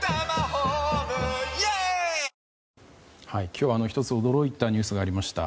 今日は１つ驚いたニュースがありました。